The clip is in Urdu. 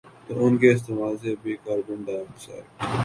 تو ان کے استعمال سے بھی کاربن ڈائی آکسائیڈ